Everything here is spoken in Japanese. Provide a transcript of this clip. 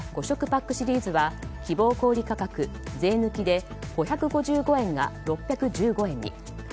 食パックシリーズは希望小売価格税抜きで５５５円が６１５円に。